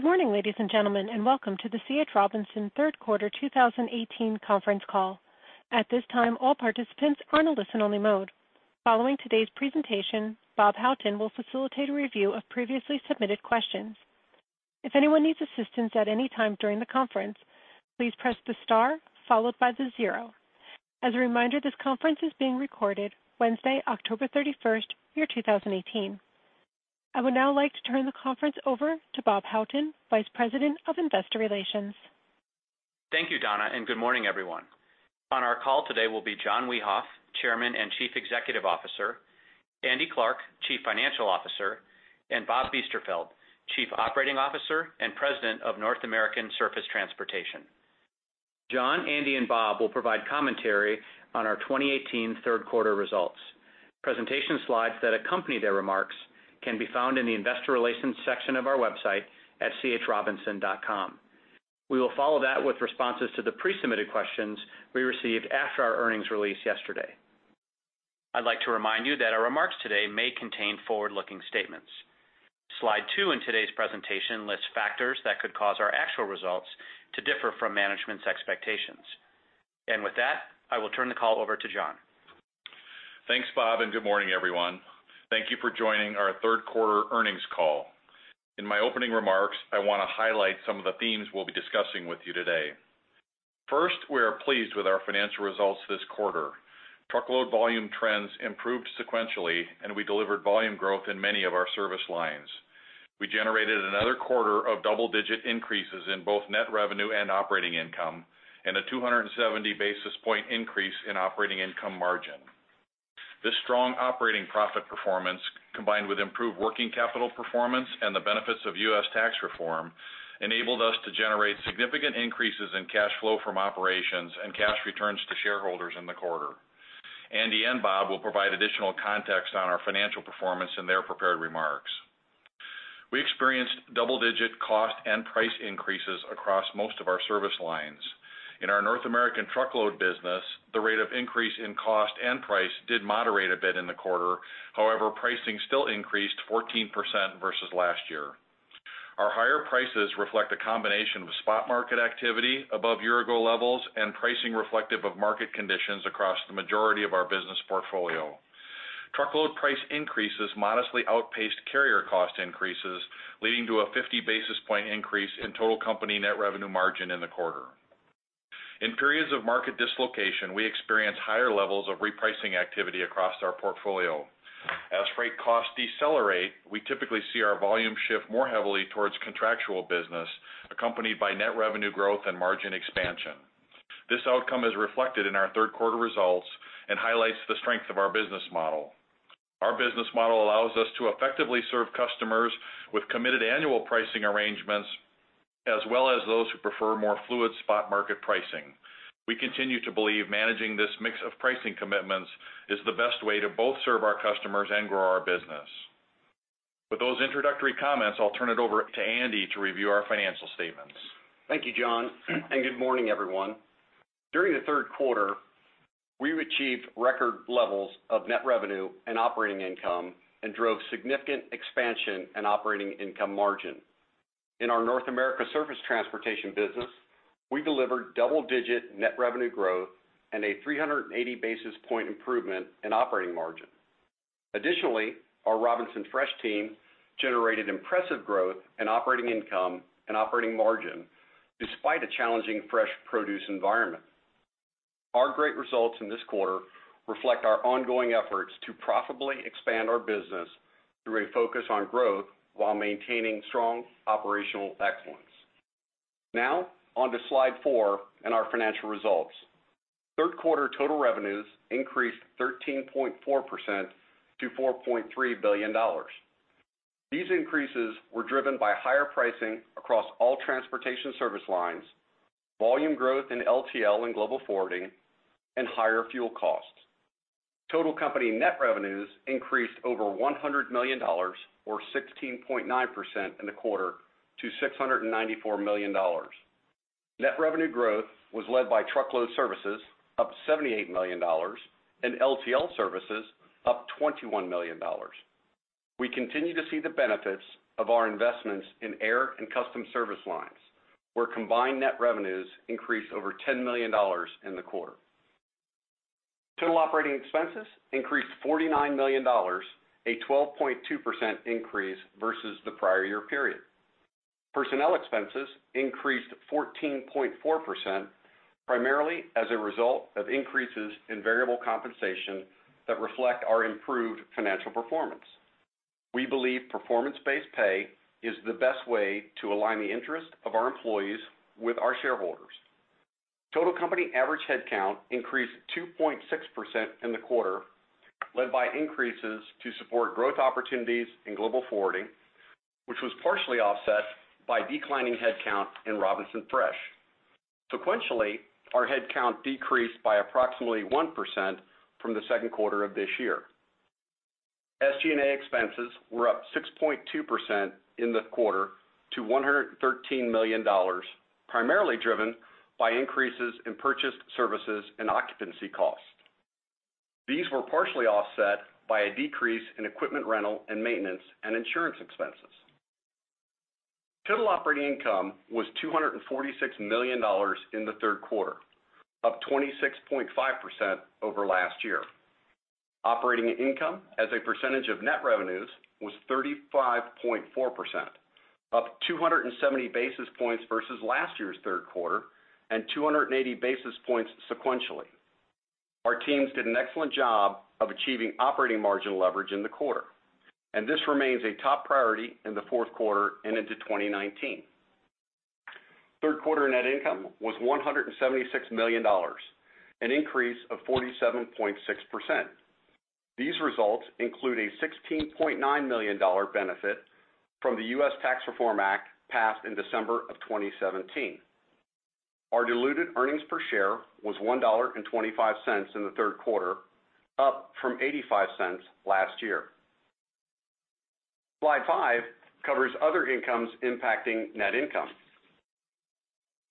Good morning, ladies and gentlemen, and welcome to the C. H. Robinson third quarter 2018 conference call. At this time, all participants are in a listen-only mode. Following today's presentation, Robert Houghton will facilitate a review of previously submitted questions. If anyone needs assistance at any time during the conference, please press the star followed by the zero. As a reminder, this conference is being recorded Wednesday, October 31st, year 2018. I would now like to turn the conference over to Robert Houghton, Vice President of Investor Relations. Thank you, Donna, and good morning, everyone. On our call today will be John Wiehoff, Chairman and Chief Executive Officer, Andrew Clarke, Chief Financial Officer, and Robert Biesterfeld, Chief Operating Officer and President of North American Surface Transportation. John, Andy, and Bob will provide commentary on our 2018 third quarter results. Presentation slides that accompany their remarks can be found in the investor relations section of our website at chrobinson.com. We will follow that with responses to the pre-submitted questions we received after our earnings release yesterday. I'd like to remind you that our remarks today may contain forward-looking statements. Slide two in today's presentation lists factors that could cause our actual results to differ from management's expectations. With that, I will turn the call over to John. Thanks, Bob, and good morning, everyone. Thank you for joining our third quarter earnings call. In my opening remarks, I want to highlight some of the themes we'll be discussing with you today. First, we are pleased with our financial results this quarter. Truckload volume trends improved sequentially, and we delivered volume growth in many of our service lines. We generated another quarter of double-digit increases in both net revenue and operating income, and a 270 basis point increase in operating income margin. This strong operating profit performance, combined with improved working capital performance and the benefits of U.S. tax reform, enabled us to generate significant increases in cash flow from operations and cash returns to shareholders in the quarter. Andy and Bob will provide additional context on our financial performance in their prepared remarks. We experienced double-digit cost and price increases across most of our service lines. In our North American truckload business, the rate of increase in cost and price did moderate a bit in the quarter. However, pricing still increased 14% versus last year. Our higher prices reflect a combination of spot market activity above year-ago levels and pricing reflective of market conditions across the majority of our business portfolio. Truckload price increases modestly outpaced carrier cost increases, leading to a 50 basis point increase in total company net revenue margin in the quarter. In periods of market dislocation, we experience higher levels of repricing activity across our portfolio. As freight costs decelerate, we typically see our volume shift more heavily towards contractual business, accompanied by net revenue growth and margin expansion. This outcome is reflected in our third quarter results and highlights the strength of our business model. Our business model allows us to effectively serve customers with committed annual pricing arrangements, as well as those who prefer more fluid spot market pricing. We continue to believe managing this mix of pricing commitments is the best way to both serve our customers and grow our business. With those introductory comments, I'll turn it over to Andy to review our financial statements. Thank you, John. Good morning, everyone. During the third quarter, we achieved record levels of net revenue and operating income and drove significant expansion and operating income margin. In our North American Surface Transportation business, we delivered double-digit net revenue growth and a 380 basis point improvement in operating margin. Additionally, our Robinson Fresh team generated impressive growth in operating income and operating margin, despite a challenging fresh produce environment. Our great results in this quarter reflect our ongoing efforts to profitably expand our business through a focus on growth while maintaining strong operational excellence. On to slide four and our financial results. Third quarter total revenues increased 13.4% to $4.3 billion. These increases were driven by higher pricing across all transportation service lines, volume growth in LTL and Global Forwarding, and higher fuel costs. Total company net revenues increased over $100 million, or 16.9%, in the quarter to $694 million. Net revenue growth was led by truckload services, up $78 million. LTL services, up $21 million. We continue to see the benefits of our investments in air and customs service lines, where combined net revenues increased over $10 million in the quarter. Total operating expenses increased $49 million, a 12.2% increase versus the prior year period. Personnel expenses increased 14.4%, primarily as a result of increases in variable compensation that reflect our improved financial performance. We believe performance-based pay is the best way to align the interest of our employees with our shareholders. Total company average headcount increased 2.6% in the quarter, led by increases to support growth opportunities in Global Forwarding, which was partially offset by declining headcount in Robinson Fresh. Sequentially, our headcount decreased by approximately 1% from the second quarter of this year. SG&A expenses were up 6.2% in the quarter to $113 million, primarily driven by increases in purchased services and occupancy costs. These were partially offset by a decrease in equipment rental and maintenance and insurance expenses. Total operating income was $246 million in the third quarter, up 26.5% over last year. Operating income as a percentage of net revenues was 35.4%, up 270 basis points versus last year's third quarter, and 280 basis points sequentially. Our teams did an excellent job of achieving operating margin leverage in the quarter. This remains a top priority in the fourth quarter and into 2019. Third quarter net income was $176 million, an increase of 47.6%. These results include a $16.9 million benefit from the Tax Cuts and Jobs Act of 2017 passed in December of 2017. Our diluted earnings per share was $1.25 in the third quarter, up from $0.85 last year. Slide five covers other incomes impacting net income.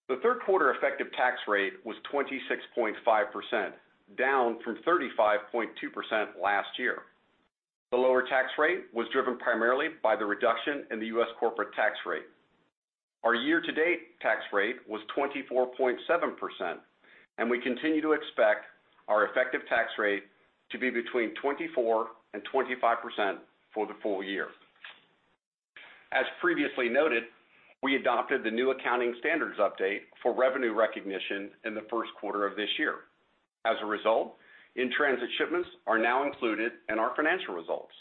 The third quarter effective tax rate was 26.5%, down from 35.2% last year. The lower tax rate was driven primarily by the reduction in the U.S. corporate tax rate. Our year-to-date tax rate was 24.7%, and we continue to expect our effective tax rate to be between 24% and 25% for the full year. As previously noted, we adopted the new accounting standards update for revenue recognition in the first quarter of this year. As a result, in-transit shipments are now included in our financial results.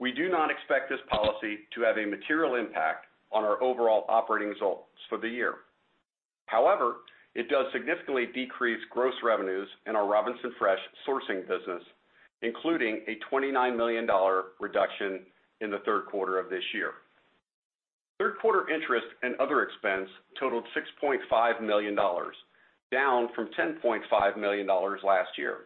We do not expect this policy to have a material impact on our overall operating results for the year. It does significantly decrease gross revenues in our Robinson Fresh sourcing business, including a $29 million reduction in the third quarter of this year. Third quarter interest and other expense totaled $6.5 million, down from $10.5 million last year.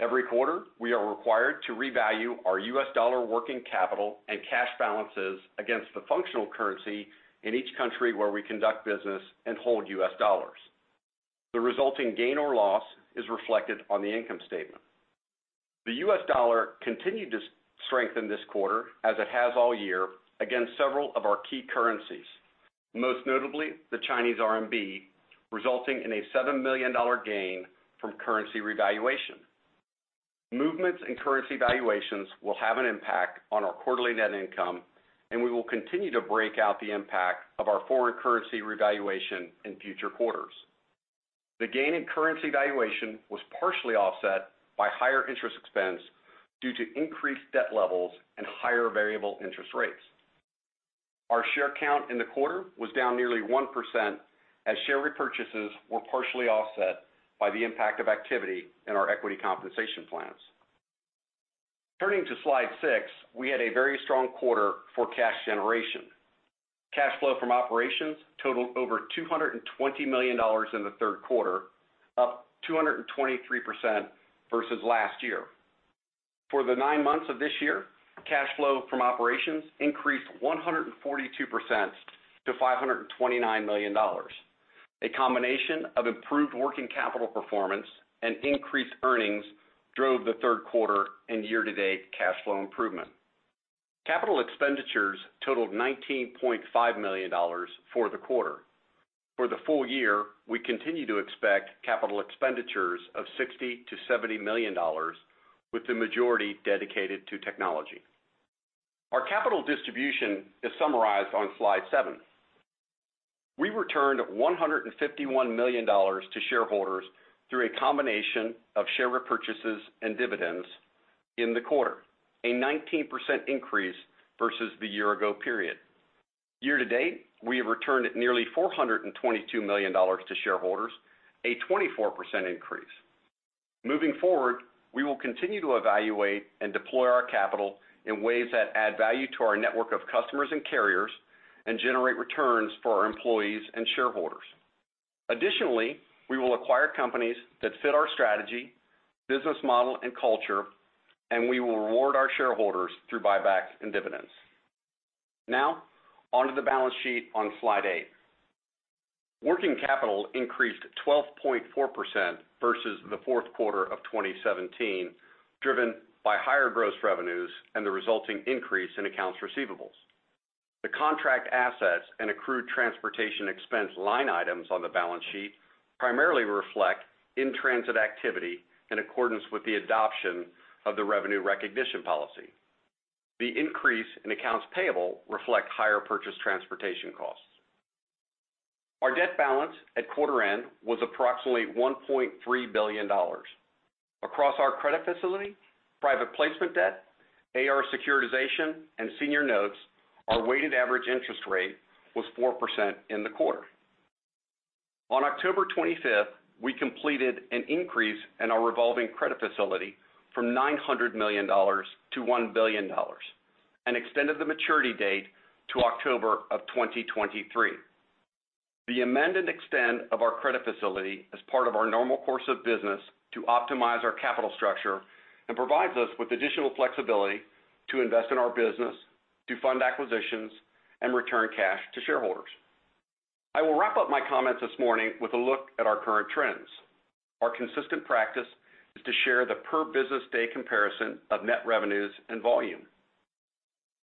Every quarter, we are required to revalue our U.S. dollar working capital and cash balances against the functional currency in each country where we conduct business and hold U.S. dollars. The resulting gain or loss is reflected on the income statement. The U.S. dollar continued to strengthen this quarter as it has all year against several of our key currencies, most notably the Chinese RMB, resulting in a $7 million gain from currency revaluation. Movements in currency valuations will have an impact on our quarterly net income, and we will continue to break out the impact of our foreign currency revaluation in future quarters. The gain in currency valuation was partially offset by higher interest expense due to increased debt levels and higher variable interest rates. Our share count in the quarter was down nearly 1% as share repurchases were partially offset by the impact of activity in our equity compensation plans. Turning to slide six, we had a very strong quarter for cash generation. Cash flow from operations totaled over $220 million in the third quarter, up 223% versus last year. For the nine months of this year, cash flow from operations increased 142% to $529 million. A combination of improved working capital performance and increased earnings drove the third quarter and year-to-date cash flow improvement. Capital expenditures totaled $19.5 million for the quarter. For the full year, we continue to expect capital expenditures of $60 million-$70 million, with the majority dedicated to technology. Our capital distribution is summarized on slide seven. We returned $151 million to shareholders through a combination of share repurchases and dividends in the quarter, a 19% increase versus the year ago period. Year-to-date, we have returned nearly $422 million to shareholders, a 24% increase. Moving forward, we will continue to evaluate and deploy our capital in ways that add value to our network of customers and carriers and generate returns for our employees and shareholders. Additionally, we will acquire companies that fit our strategy, business model, and culture, and we will reward our shareholders through buybacks and dividends. Onto the balance sheet on slide eight. Working capital increased 12.4% versus the fourth quarter of 2017, driven by higher gross revenues and the resulting increase in accounts receivables. The contract assets and accrued transportation expense line items on the balance sheet primarily reflect in-transit activity in accordance with the adoption of the revenue recognition policy. The increase in accounts payable reflect higher purchase transportation costs. Our debt balance at quarter end was approximately $1.3 billion. Across our credit facility, private placement debt, AR securitization, and senior notes, our weighted average interest rate was 4% in the quarter. On October 25th, we completed an increase in our revolving credit facility from $900 million to $1 billion and extended the maturity date to October of 2023. The amend and extend of our credit facility is part of our normal course of business to optimize our capital structure and provides us with additional flexibility to invest in our business, to fund acquisitions, and return cash to shareholders. I will wrap up my comments this morning with a look at our current trends. Our consistent practice is to share the per business day comparison of net revenues and volume.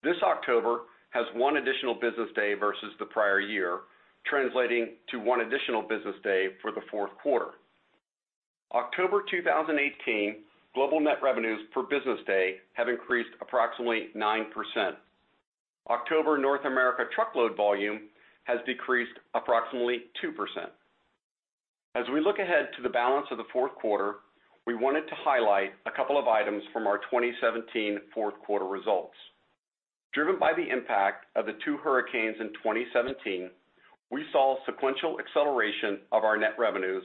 This October has one additional business day versus the prior year, translating to one additional business day for the fourth quarter. October 2018, global net revenues per business day have increased approximately 9%. October North America truckload volume has decreased approximately 2%. As we look ahead to the balance of the fourth quarter, we wanted to highlight a couple of items from our 2017 fourth quarter results. Driven by the impact of the two hurricanes in 2017, we saw sequential acceleration of our net revenues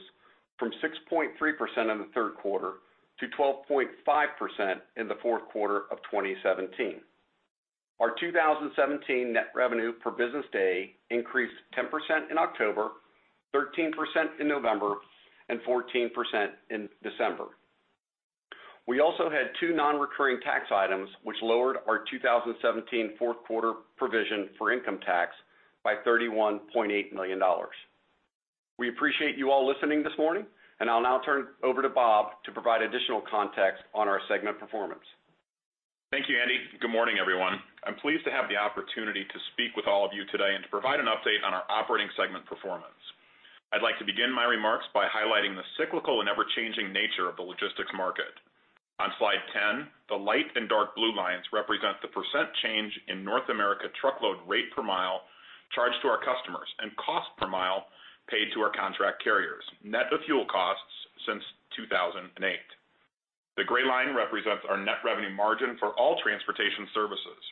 from 6.3% in the third quarter to 12.5% in the fourth quarter of 2017. Our 2017 net revenue per business day increased 10% in October, 13% in November, and 14% in December. We also had two non-recurring tax items, which lowered our 2017 fourth quarter provision for income tax by $31.8 million. We appreciate you all listening this morning, and I'll now turn over to Bob to provide additional context on our segment performance. Thank you, Andy. Good morning, everyone. I'm pleased to have the opportunity to speak with all of you today and to provide an update on our operating segment performance. I'd like to begin my remarks by highlighting the cyclical and ever-changing nature of the logistics market. On Slide 10, the light and dark blue lines represent the percent change in North America truckload rate per mile charged to our customers and cost per mile paid to our contract carriers, net of fuel costs since 2008. The gray line represents our net revenue margin for all transportation services.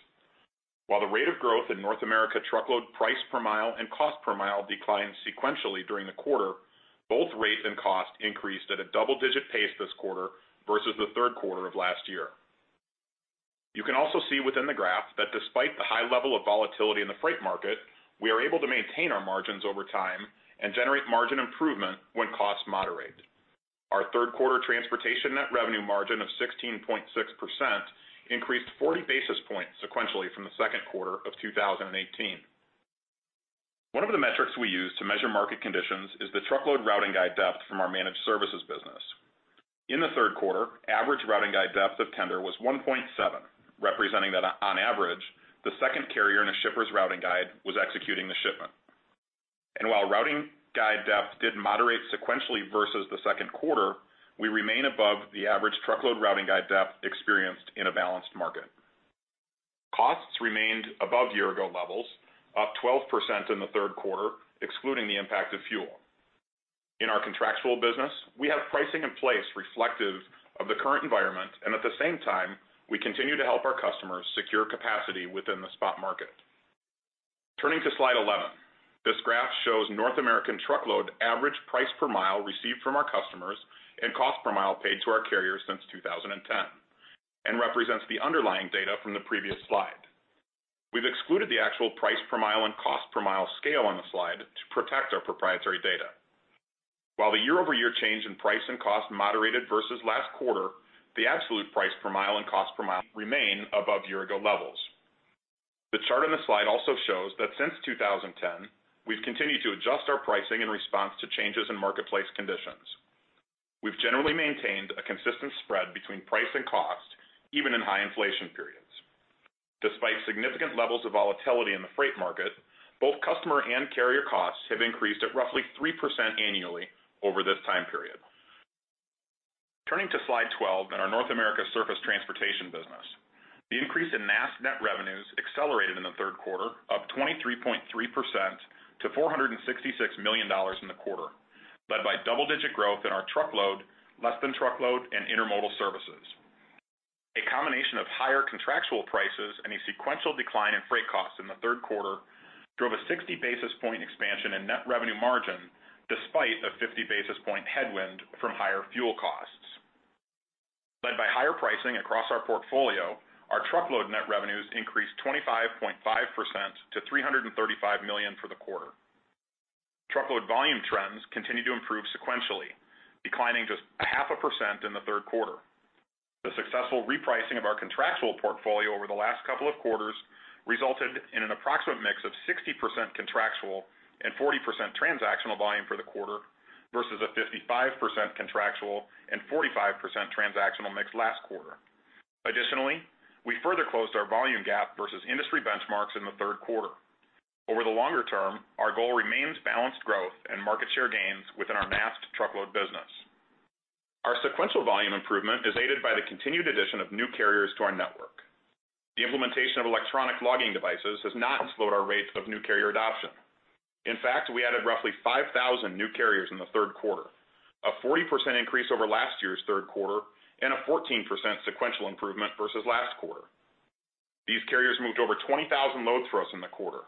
While the rate of growth in North America truckload price per mile and cost per mile declined sequentially during the quarter, both rates and cost increased at a double-digit pace this quarter versus the third quarter of last year. You can also see within the graph that despite the high level of volatility in the freight market, we are able to maintain our margins over time and generate margin improvement when costs moderate. Our third quarter transportation net revenue margin of 16.6% increased 40 basis points sequentially from the second quarter of 2018. One of the metrics we use to measure market conditions is the truckload routing guide depth from our managed services business. In the third quarter, average routing guide depth of tender was 1.7, representing that on average, the second carrier in a shipper's routing guide was executing the shipment. While routing guide depth did moderate sequentially versus the second quarter, we remain above the average truckload routing guide depth experienced in a balanced market. Costs remained above year-ago levels, up 12% in the third quarter, excluding the impact of fuel. In our contractual business, we have pricing in place reflective of the current environment. At the same time, we continue to help our customers secure capacity within the spot market. Turning to Slide 11. This graph shows North American truckload average price per mile received from our customers and cost per mile paid to our carriers since 2010 and represents the underlying data from the previous slide. We've excluded the actual price per mile and cost per mile scale on the slide to protect our proprietary data. While the year-over-year change in price and cost moderated versus last quarter, the absolute price per mile and cost per mile remain above year-ago levels. The chart on the slide also shows that since 2010, we've continued to adjust our pricing in response to changes in marketplace conditions. We've generally maintained a consistent spread between price and cost, even in high inflation periods. Despite significant levels of volatility in the freight market, both customer and carrier costs have increased at roughly 3% annually over this time period. Turning to Slide 12 and our North American Surface Transportation business. The increase in NAST net revenues accelerated in the third quarter, up 23.3% to $466 million in the quarter, led by double-digit growth in our truckload, less than truckload, and intermodal services. A combination of higher contractual prices and a sequential decline in freight costs in the third quarter drove a 60-basis point expansion in net revenue margin, despite a 50-basis point headwind from higher fuel costs. Led by higher pricing across our portfolio, our truckload net revenues increased 25.5% to $335 million for the quarter. Truckload volume trends continue to improve sequentially, declining just half a percent in the third quarter. The successful repricing of our contractual portfolio over the last couple of quarters resulted in an approximate mix of 60% contractual and 40% transactional volume for the quarter versus a 55% contractual and 45% transactional mix last quarter. Additionally, we further closed our volume gap versus industry benchmarks in the third quarter. Over the longer term, our goal remains balanced growth and market share gains within our mass truckload business. Our sequential volume improvement is aided by the continued addition of new carriers to our network. The implementation of Electronic Logging Devices has not slowed our rates of new carrier adoption. In fact, we added roughly 5,000 new carriers in the third quarter, a 40% increase over last year's third quarter and a 14% sequential improvement versus last quarter. These carriers moved over 20,000 loads for us in the quarter.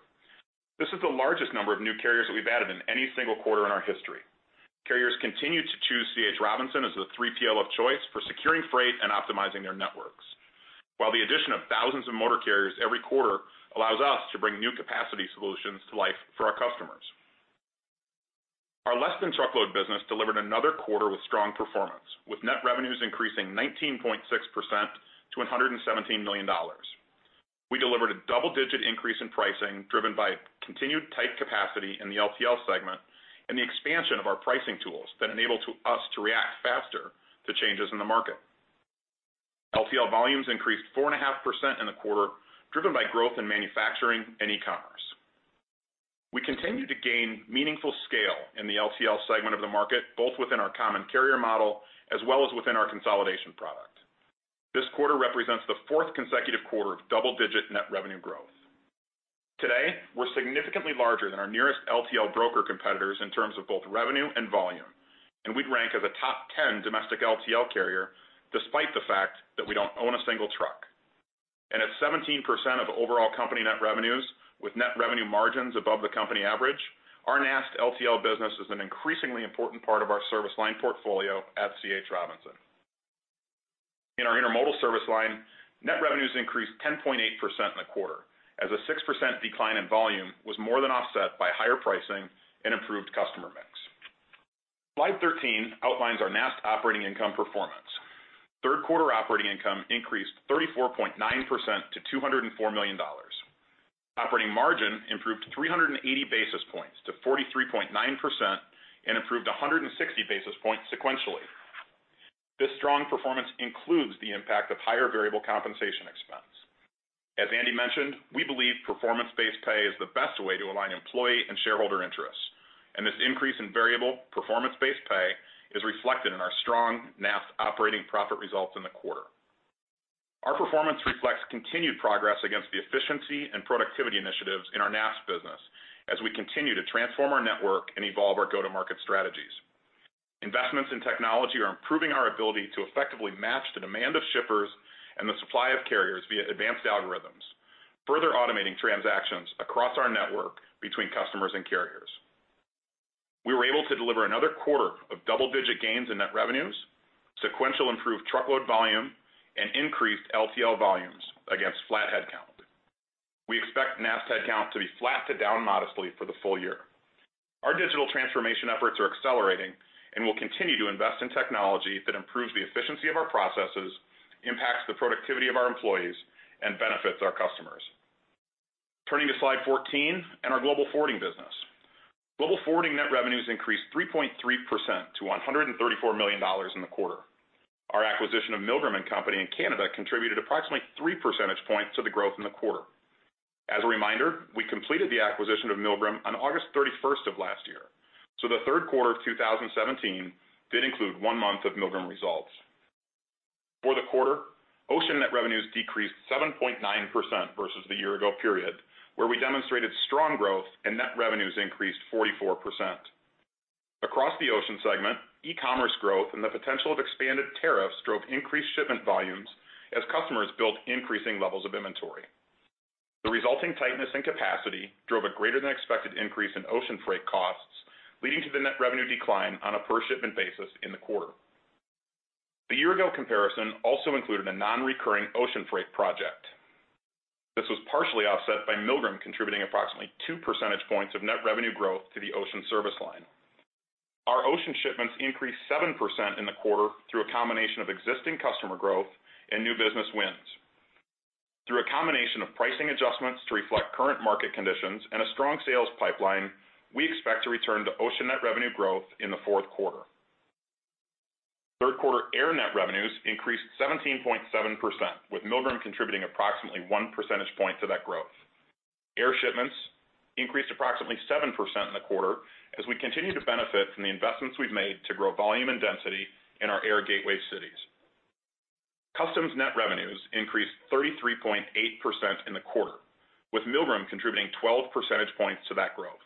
This is the largest number of new carriers that we've added in any single quarter in our history. Carriers continue to choose C. H. Robinson as the 3PL of choice for securing freight and optimizing their networks. While the addition of thousands of motor carriers every quarter allows us to bring new capacity solutions to life for our customers. Our less-than-truckload business delivered another quarter with strong performance, with net revenues increasing 19.6% to $117 million. We delivered a double-digit increase in pricing, driven by continued tight capacity in the LTL segment and the expansion of our pricing tools that enable us to react faster to changes in the market. LTL volumes increased 4.5% in the quarter, driven by growth in manufacturing and e-commerce. We continue to gain meaningful scale in the LTL segment of the market, both within our common carrier model as well as within our consolidation product. This quarter represents the fourth consecutive quarter of double-digit net revenue growth. Today, we're significantly larger than our nearest LTL broker competitors in terms of both revenue and volume, and we'd rank as a top 10 domestic LTL carrier, despite the fact that we don't own a single truck. At 17% of overall company net revenues, with net revenue margins above the company average, our NAST LTL business is an increasingly important part of our service line portfolio at C. H. Robinson. In our intermodal service line, net revenues increased 10.8% in the quarter, as a 6% decline in volume was more than offset by higher pricing and improved customer mix. Slide 13 outlines our NAST operating income performance. Third quarter operating income increased 34.9% to $204 million. Operating margin improved 380 basis points to 43.9% and improved 160 basis points sequentially. This strong performance includes the impact of higher variable compensation expense. As Andy mentioned, we believe performance-based pay is the best way to align employee and shareholder interests, and this increase in variable performance-based pay is reflected in our strong NAST operating profit results in the quarter. Our performance reflects continued progress against the efficiency and productivity initiatives in our NAST business as we continue to transform our network and evolve our go-to-market strategies. Investments in technology are improving our ability to effectively match the demand of shippers and the supply of carriers via advanced algorithms, further automating transactions across our network between customers and carriers. We were able to deliver another quarter of double-digit gains in net revenues, sequential improved truckload volume, and increased LTL volumes against flat head count. We expect NAST head count to be flat to down modestly for the full year. Our digital transformation efforts are accelerating, and we'll continue to invest in technology that improves the efficiency of our processes, impacts the productivity of our employees, and benefits our customers. Turning to slide 14 and our Global Forwarding business. Global Forwarding net revenues increased 3.3% to $134 million in the quarter. Our acquisition of Milgram & Company in Canada contributed approximately three percentage points to the growth in the quarter. As a reminder, we completed the acquisition of Milgram on August 31st of last year, so the third quarter of 2017 did include one month of Milgram results. For the quarter, ocean net revenues decreased 7.9% versus the year ago period, where we demonstrated strong growth and net revenues increased 44%. Across the ocean segment, e-commerce growth and the potential of expanded tariffs drove increased shipment volumes as customers built increasing levels of inventory. The resulting tightness in capacity drove a greater than expected increase in ocean freight costs, leading to the net revenue decline on a per shipment basis in the quarter. The year ago comparison also included a non-recurring ocean freight project. This was partially offset by Milgram contributing approximately two percentage points of net revenue growth to the ocean service line. Our ocean shipments increased 7% in the quarter through a combination of existing customer growth and new business wins. Through a combination of pricing adjustments to reflect current market conditions and a strong sales pipeline, we expect to return to ocean net revenue growth in the fourth quarter. Third quarter air net revenues increased 17.7%, with Milgram contributing approximately one percentage point to that growth. Air shipments increased approximately 7% in the quarter as we continue to benefit from the investments we've made to grow volume and density in our air gateway cities. Customs net revenues increased 33.8% in the quarter, with Milgram contributing 12 percentage points to that growth.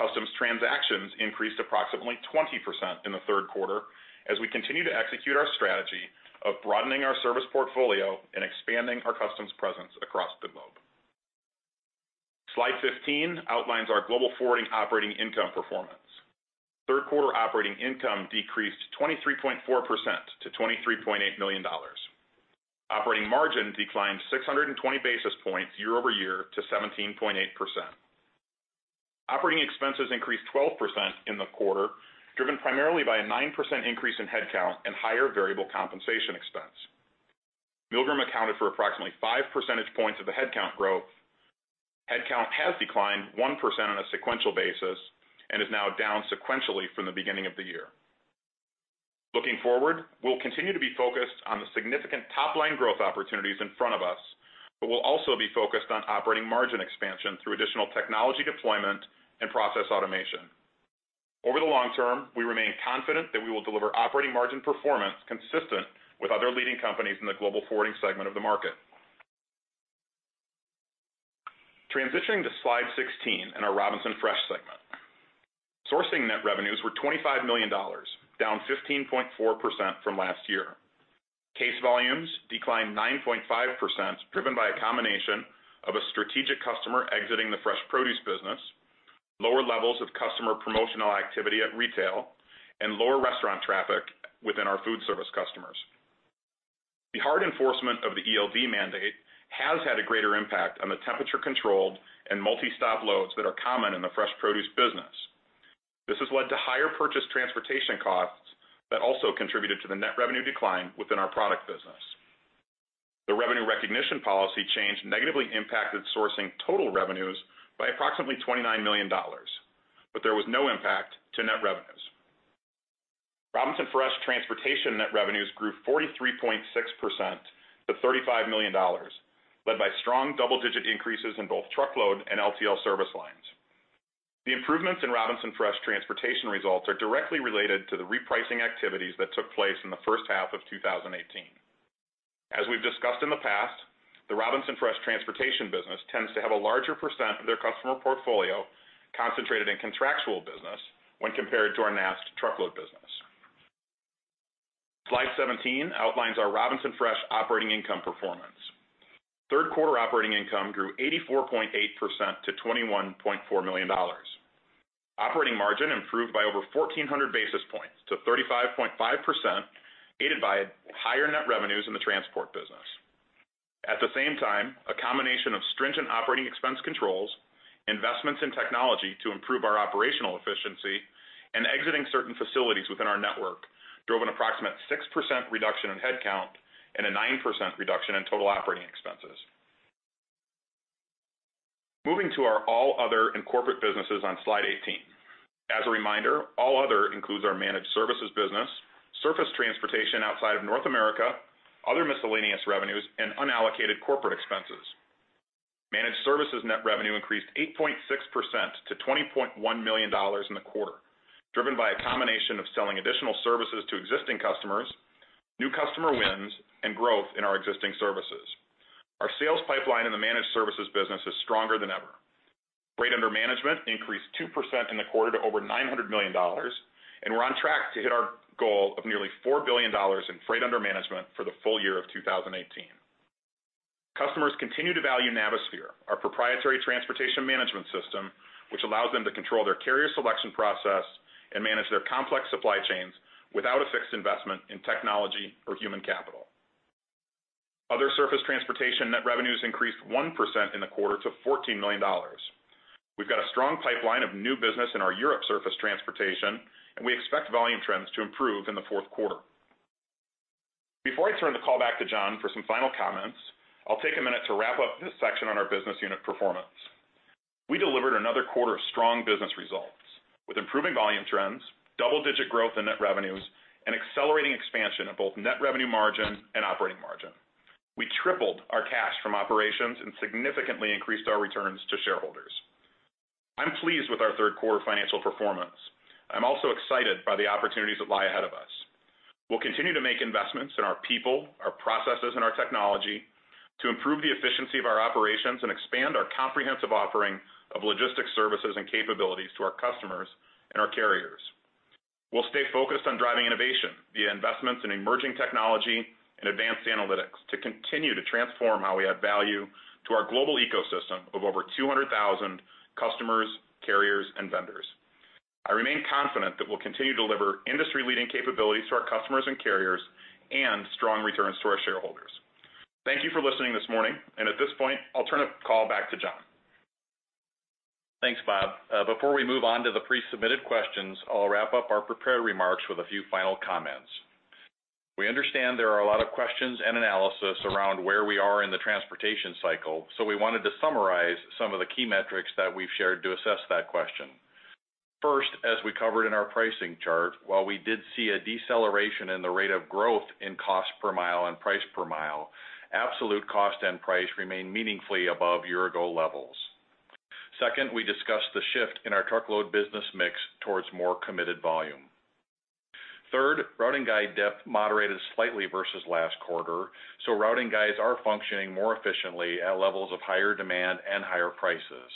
Customs transactions increased approximately 20% in the third quarter as we continue to execute our strategy of broadening our service portfolio and expanding our customs presence across the globe. Slide 15 outlines our Global Forwarding operating income performance. Third quarter operating income decreased 23.4% to $23.8 million. Operating margin declined 620 basis points year-over-year to 17.8%. Operating expenses increased 12% in the quarter, driven primarily by a 9% increase in head count and higher variable compensation expense. Milgram accounted for approximately five percentage points of the head count growth. Head count has declined 1% on a sequential basis and is now down sequentially from the beginning of the year. Looking forward, we'll continue to be focused on the significant top-line growth opportunities in front of us, but we'll also be focused on operating margin expansion through additional technology deployment and process automation. Over the long term, we remain confident that we will deliver operating margin performance consistent with other leading companies in the Global Forwarding segment of the market. Transitioning to Slide 16 in our Robinson Fresh segment. Sourcing net revenues were $25 million, down 15.4% from last year. Case volumes declined 9.5%, driven by a combination of a strategic customer exiting the fresh produce business, lower levels of customer promotional activity at retail, and lower restaurant traffic within our food service customers. The hard enforcement of the ELD mandate has had a greater impact on the temperature-controlled and multi-stop loads that are common in the fresh produce business. This has led to higher purchase transportation costs that also contributed to the net revenue decline within our product business. The revenue recognition policy change negatively impacted sourcing total revenues by approximately $29 million, but there was no impact to net revenues. Robinson Fresh transportation net revenues grew 43.6% to $35 million, led by strong double-digit increases in both truckload and LTL service lines. The improvements in Robinson Fresh transportation results are directly related to the repricing activities that took place in the first half of 2018. As we've discussed in the past, the Robinson Fresh transportation business tends to have a larger percent of their customer portfolio concentrated in contractual business when compared to our NAST truckload business. Slide 17 outlines our Robinson Fresh operating income performance. Third quarter operating income grew 84.8% to $21.4 million. Operating margin improved by over 1,400 basis points to 35.5%, aided by higher net revenues in the transport business. At the same time, a combination of stringent operating expense controls, investments in technology to improve our operational efficiency, and exiting certain facilities within our network drove an approximate 6% reduction in headcount and a 9% reduction in total operating expenses. Moving to our all other and corporate businesses on Slide 18. As a reminder, all other includes our managed services business, surface transportation outside of North America, other miscellaneous revenues, and unallocated corporate expenses. Managed services net revenue increased 8.6% to $20.1 million in the quarter, driven by a combination of selling additional services to existing customers, new customer wins, and growth in our existing services. Our sales pipeline in the managed services business is stronger than ever. Freight under management increased 2% in the quarter to over $900 million, and we're on track to hit our goal of nearly $4 billion in freight under management for the full year of 2018. Customers continue to value Navisphere, our proprietary transportation management system, which allows them to control their carrier selection process and manage their complex supply chains without a fixed investment in technology or human capital. Other surface transportation net revenues increased 1% in the quarter to $14 million. We've got a strong pipeline of new business in our Europe surface transportation, and we expect volume trends to improve in the fourth quarter. Before I turn the call back to John for some final comments, I'll take a minute to wrap up this section on our business unit performance. We delivered another quarter of strong business results, with improving volume trends, double-digit growth in net revenues, and accelerating expansion of both net revenue margin and operating margin. We tripled our cash from operations and significantly increased our returns to shareholders. I'm pleased with our third quarter financial performance. I'm also excited by the opportunities that lie ahead of us. We'll continue to make investments in our people, our processes, and our technology to improve the efficiency of our operations and expand our comprehensive offering of logistics services and capabilities to our customers and our carriers. We'll stay focused on driving innovation via investments in emerging technology and advanced analytics to continue to transform how we add value to our global ecosystem of over 200,000 customers, carriers, and vendors. I remain confident that we'll continue to deliver industry-leading capabilities to our customers and carriers and strong returns to our shareholders. Thank you for listening this morning. At this point, I'll turn the call back to John. Thanks, Bob. Before we move on to the pre-submitted questions, I'll wrap up our prepared remarks with a few final comments. We understand there are a lot of questions and analysis around where we are in the transportation cycle. We wanted to summarize some of the key metrics that we've shared to assess that question. First, as we covered in our pricing chart, while we did see a deceleration in the rate of growth in cost per mile and price per mile, absolute cost and price remain meaningfully above year-ago levels. Second, we discussed the shift in our truckload business mix towards more committed volume. Third, routing guide depth moderated slightly versus last quarter, routing guides are functioning more efficiently at levels of higher demand and higher prices.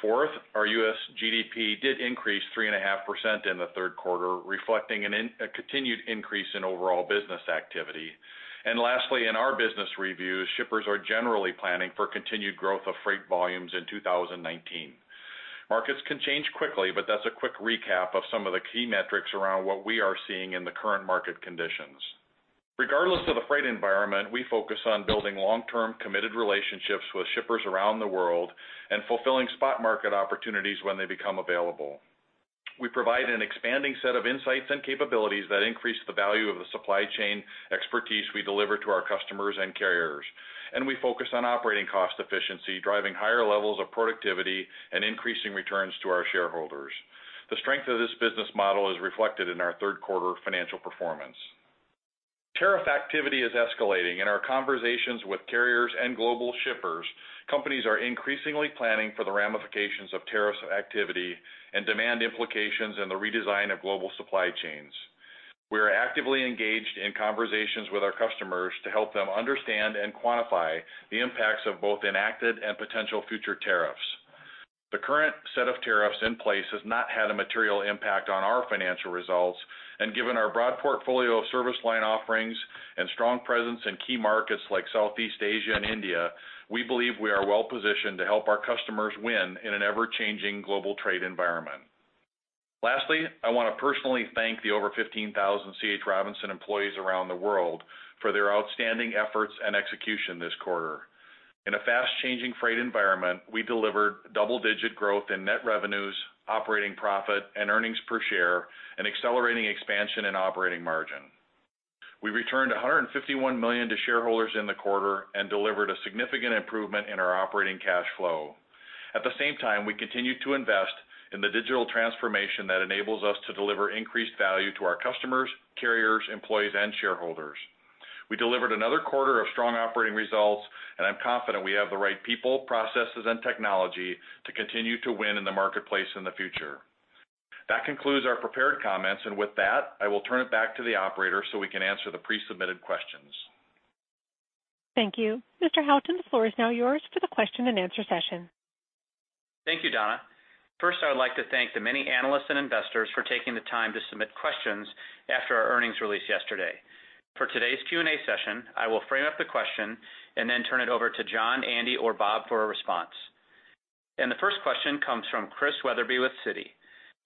Fourth, our U.S. GDP did increase 3.5% in the third quarter, reflecting a continued increase in overall business activity. Lastly, in our business review, shippers are generally planning for continued growth of freight volumes in 2019. Markets can change quickly, that's a quick recap of some of the key metrics around what we are seeing in the current market conditions. Regardless of the freight environment, we focus on building long-term, committed relationships with shippers around the world and fulfilling spot market opportunities when they become available. We provide an expanding set of insights and capabilities that increase the value of the supply chain expertise we deliver to our customers and carriers. We focus on operating cost efficiency, driving higher levels of productivity, and increasing returns to our shareholders. The strength of this business model is reflected in our third quarter financial performance. Tariff activity is escalating. In our conversations with carriers and global shippers, companies are increasingly planning for the ramifications of tariffs activity and demand implications in the redesign of global supply chains. We are actively engaged in conversations with our customers to help them understand and quantify the impacts of both enacted and potential future tariffs. The current set of tariffs in place has not had a material impact on our financial results, and given our broad portfolio of service line offerings and strong presence in key markets like Southeast Asia and India, we believe we are well positioned to help our customers win in an ever-changing global trade environment. Lastly, I want to personally thank the over 15,000 C. H. Robinson employees around the world for their outstanding efforts and execution this quarter. In a fast-changing freight environment, we delivered double-digit growth in net revenues, operating profit, and earnings per share, and accelerating expansion in operating margin. We returned $151 million to shareholders in the quarter and delivered a significant improvement in our operating cash flow. At the same time, we continued to invest in the digital transformation that enables us to deliver increased value to our customers, carriers, employees, and shareholders. We delivered another quarter of strong operating results, I'm confident we have the right people, processes, and technology to continue to win in the marketplace in the future. That concludes our prepared comments. With that, I will turn it back to the operator we can answer the pre-submitted questions. Thank you. Mr. Houghton, the floor is now yours for the question and answer session. Thank you, Donna. First, I would like to thank the many analysts and investors for taking the time to submit questions after our earnings release yesterday. For today's Q&A session, I will frame up the question and then turn it over to John, Andy, or Bob for a response. The first question comes from Christian Wetherbee with Citi.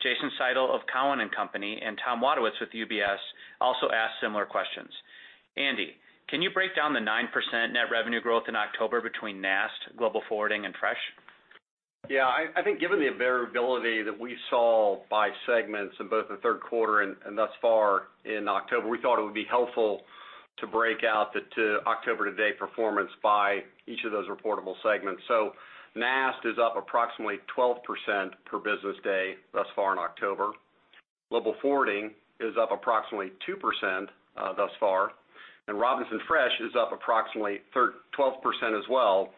Jason Seidl of Cowen and Company and Thomas Wadewitz with UBS also asked similar questions. Andy, can you break down the 9% net revenue growth in October between NAST, Global Forwarding, and Fresh? Yeah, I think given the variability that we saw by segments in both the third quarter and thus far in October, we thought it would be helpful to break out the October to date performance by each of those reportable segments. NAST is up approximately 12% per business day thus far in October. Global Forwarding is up approximately 2% thus far, and Robinson Fresh is up approximately 12% as well,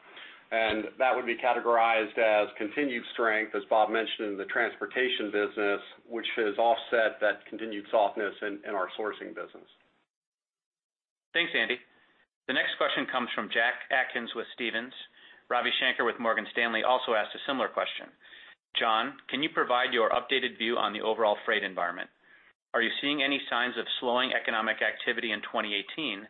and that would be categorized as continued strength, as Bob mentioned, in the transportation business, which has offset that continued softness in our sourcing business. Thanks, Andy. The next question comes from Jack Atkins with Stephens. Ravi Shanker with Morgan Stanley also asked a similar question. John, can you provide your updated view on the overall freight environment? Are you seeing any signs of slowing economic activity in 2018?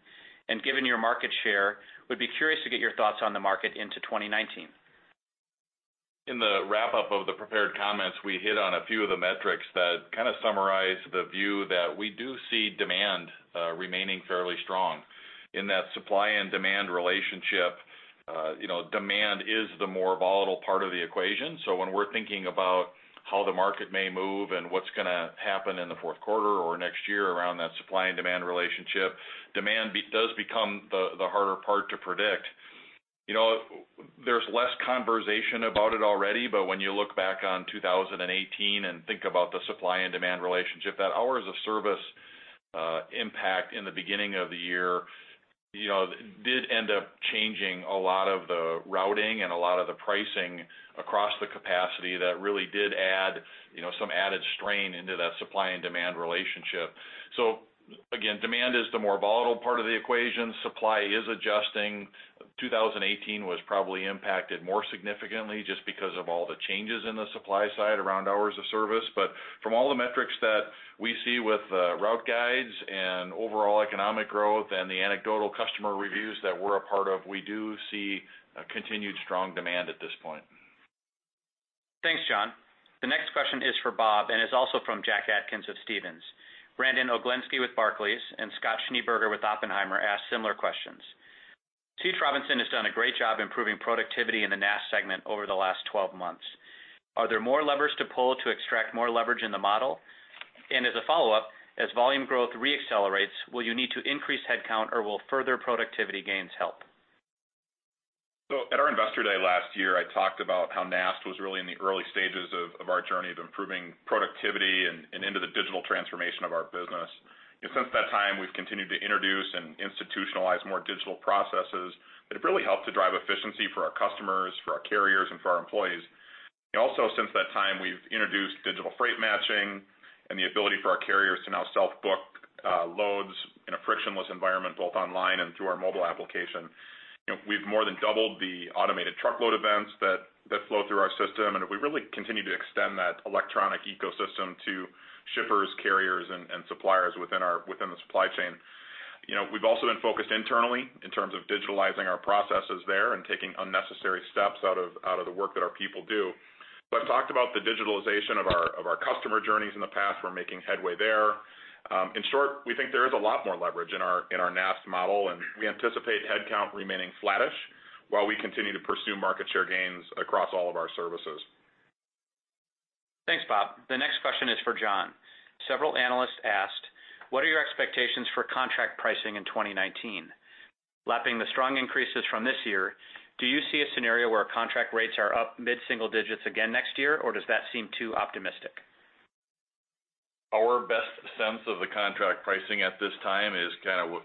Given your market share, we'd be curious to get your thoughts on the market into 2019. In the wrap up of the prepared comments, we hit on a few of the metrics that kind of summarize the view that we do see demand remaining fairly strong. In that supply and demand relationship, demand is the more volatile part of the equation. When we're thinking about how the market may move and what's going to happen in the fourth quarter or next year around that supply and demand relationship, demand does become the harder part to predict. There's less conversation about it already, but when you look back on 2018 and think about the supply and demand relationship, that hours of service impact in the beginning of the year did end up changing a lot of the routing and a lot of the pricing across the capacity that really did add some added strain into that supply and demand relationship. Again, demand is the more volatile part of the equation. Supply is adjusting. 2018 was probably impacted more significantly just because of all the changes in the supply side around hours of service. From all the metrics that we see with route guides and overall economic growth and the anecdotal customer reviews that we're a part of, we do see a continued strong demand at this point. Thanks, John. The next question is for Bob, and it's also from Jack Atkins of Stephens. Brandon Oglenski with Barclays and Scott Schneeberger with Oppenheimer asked similar questions. C. H. Robinson has done a great job improving productivity in the NAST segment over the last 12 months. Are there more levers to pull to extract more leverage in the model? As a follow-up, as volume growth re-accelerates, will you need to increase headcount, or will further productivity gains help? At our investor day last year, I talked about how NAST was really in the early stages of our journey of improving productivity and into the digital transformation of our business. Since that time, we've continued to introduce and institutionalize more digital processes that have really helped to drive efficiency for our customers, for our carriers, and for our employees. Also since that time, we've introduced digital freight matching and the ability for our carriers to now self-book loads in a frictionless environment, both online and through our mobile application. We've more than doubled the automated truckload events that flow through our system, and we really continue to extend that electronic ecosystem to shippers, carriers, and suppliers within the supply chain. We've also been focused internally in terms of digitalizing our processes there and taking unnecessary steps out of the work that our people do. I've talked about the digitalization of our customer journeys in the past. We're making headway there. In short, we think there is a lot more leverage in our NAST model, and we anticipate headcount remaining flattish while we continue to pursue market share gains across all of our services. Thanks, Bob. The next question is for John. Several analysts asked, "What are your expectations for contract pricing in 2019? Lapping the strong increases from this year, do you see a scenario where contract rates are up mid-single digits again next year, or does that seem too optimistic? Our best sense of the contract pricing at this time is